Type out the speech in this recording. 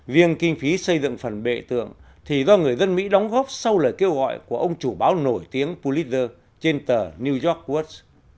riêng kinh phí xây dựng phần bệ tượng thì do người dân mỹ đóng góp sau lời kêu gọi của ông chủ báo nổi tiếng puliter trên tờ new york woods